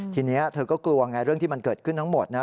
ทีนี้เธอก็กลัวไงเรื่องที่มันเกิดขึ้นทั้งหมดนะ